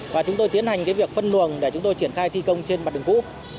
và chúng tôi tiến hành việc phân luồng để chúng tôi triển khai thi công trên mặt đường cũ